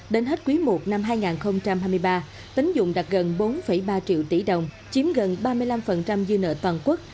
đến hết quý i năm hai nghìn hai mươi ba tính dụng đạt gần bốn ba triệu tỷ đồng chiếm gần ba mươi năm dư nợ toàn quốc